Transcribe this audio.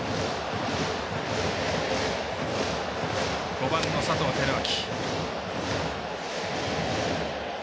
５番、佐藤輝明。